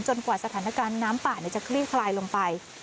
กว่าสถานการณ์น้ำป่าจะคลี่คลายลงไป